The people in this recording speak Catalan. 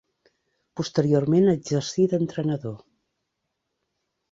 Posteriorment exercí d'entrenador.